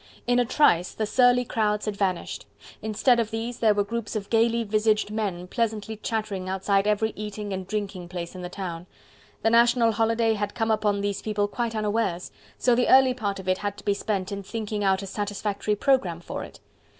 In a trice the surly crowds had vanished. Instead of these, there were groups of gaily visaged men pleasantly chattering outside every eating and drinking place in the town. The national holiday had come upon these people quite unawares, so the early part of it had to be spent in thinking out a satisfactory programme for it.